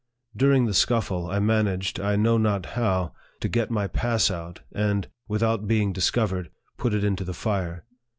During the scuffle, I managed, I know not how, to get my pass out, and, without being discovered, put it into the fire.